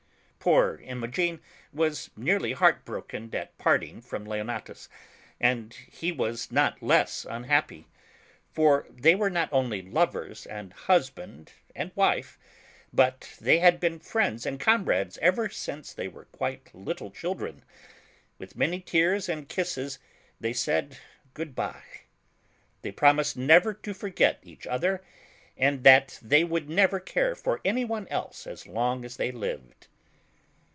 Poor Imogen was nearly heart broken at parting from Leonatus, and he was not less unhappy. For they were not only lovers and husband and wife, but they had been friends and comrades ever since they were quite little children. With many tears and kisses they v«:aid "Good bye." They promised never to forget each other, and that they would never care 'for any one else as long as they lived.